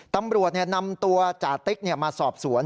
ตำรวจนำตัวจ่าติ๊กมาสอบสวน